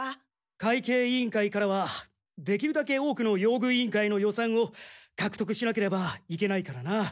会計委員会からはできるだけ多くの用具委員会の予算をかくとくしなければいけないからな。